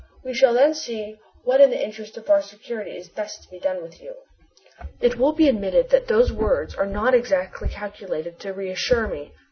We shall then see what in the interest of our security is best to be done with you!" It will be admitted that these words are not exactly calculated to reassure me.